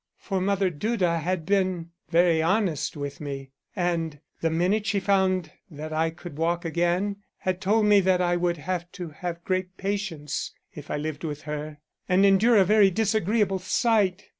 For Mother Duda had been very honest with me, and the minute she found that I could walk again had told me that I would have to have great patience if I lived with her, and endure a very disagreeable sight.